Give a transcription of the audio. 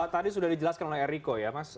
tadi sudah dijelaskan oleh eriko ya mas